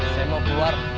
saya mau keluar